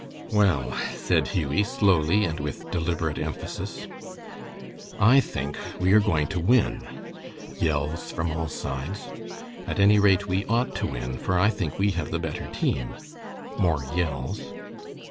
"Well," said Hughie, slowly, and with deliberate emphasis, "I think we are going to win." (Yells from all sides.) "At any rate we ought to win, for I think we have the better team." (More yells.)